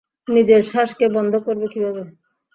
নিজের শ্বাস কে বন্ধ করবে কিভাবে?